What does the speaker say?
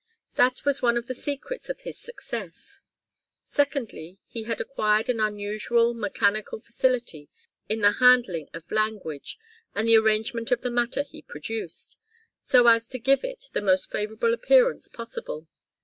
That was one of the secrets of his success. Secondly, he had acquired an unusual mechanical facility in the handling of language and the arrangement of the matter he produced, so as to give it the most favourable appearance possible.